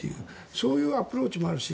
そういうアプローチもあるし